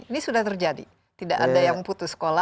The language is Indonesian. ini sudah terjadi tidak ada yang putus sekolah